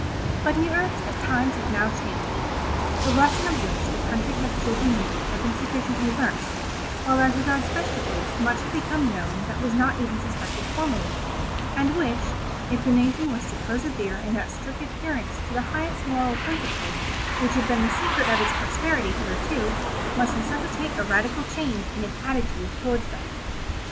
But he urged that times had now changed; the lesson of which the country had stood in need had been sufficiently learnt, while as regards vegetables much had become known that was not even suspected formerly, and which, if the nation was to persevere in that strict adherence to the highest moral principles which had been the secret of its prosperity hitherto, must necessitate a radical change in its attitude towards them.